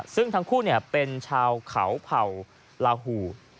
ซึ่งทั้งคู่เป็นชาวเขาเผ่าลาหู